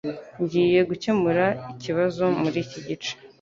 Ngiye gukemura ikibazo muri iki gice